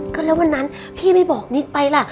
ก็แล้ววันนั้นพี่ไม่บอกนิกไปล่ะ